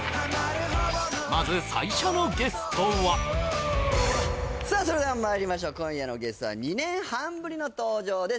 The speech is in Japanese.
まず最初のゲストはそれではまいりましょう今夜のゲストは２年半ぶりの登場です